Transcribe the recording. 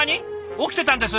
起きてたんです？